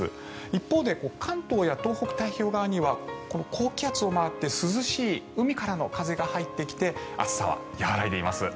一方で関東や東北、太平洋側には高気圧を回って涼しい海からの風が入ってきて暑さは和らいでいます。